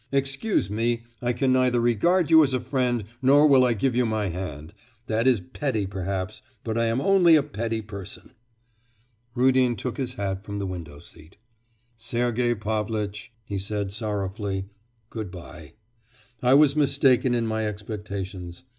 Excuse me, I can neither regard you as a friend, nor will I give you my hand.... That is petty, perhaps, but I am only a petty person.' Rudin took his hat from the window seat. 'Sergei Pavlitch!' he said sorrowfully, 'goodbye; I was mistaken in my expectations.